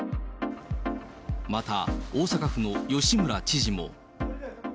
また、大阪府の吉村知事も。